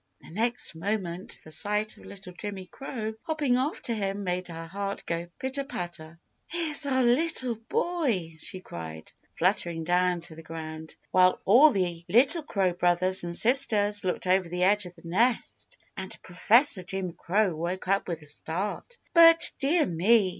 The next moment the sight of little Jimmy Crow hopping after him made her heart go pitter patter. "Here's our little boy!" she cried, fluttering down to the ground, while all the little crow brothers and sisters looked over the edge of the nest, and Professor Jim Crow woke up with a start. But, dear me!